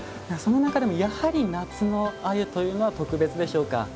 その中でもやはり夏の鮎というのは特別でしょうか？